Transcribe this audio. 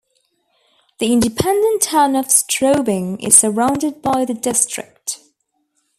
The independent town of Straubing is surrounded by the district.